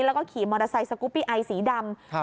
แล้วก็ขี่มอเตอร์ไซค์สกุปปี้ไอสีดำ